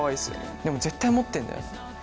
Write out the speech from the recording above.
でも絶対持ってんだよ。